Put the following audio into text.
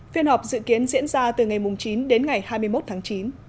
phiên họp dự kiến diễn ra từ ngày chín đến ngày hai mươi một tháng chín